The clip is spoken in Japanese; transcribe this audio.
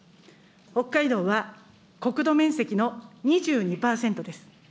北海道は国土面積の２２％です。